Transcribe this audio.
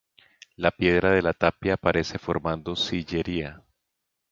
La piedra de la tapia aparece formando sillería.